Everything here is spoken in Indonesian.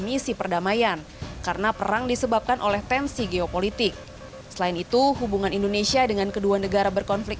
presiden juga mengajak negara anggota g tujuh untuk memfasilitasi ekspor gandum ukraina agar dapat segala berjalan